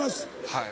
はい。